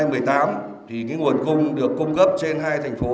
trong cả năm hai nghìn một mươi tám thì cái nguồn cung được cung cấp trên hai thành phố